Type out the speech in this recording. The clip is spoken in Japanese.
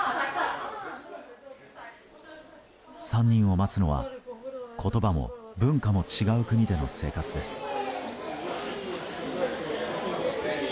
３人を待つのは言葉も文化も違う国での生活です。